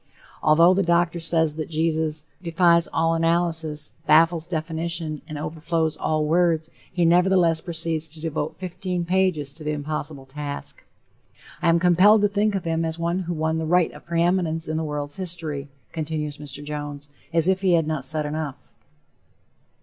Although the doctor says that Jesus "defies all analysis, baffles definition and overflows all words," he nevertheless proceeds to devote fifteen pages to the impossible task. "I am compelled to think of him as one who won the right of preeminence in the world's history," continues Mr. Jones, as if he had not said enough.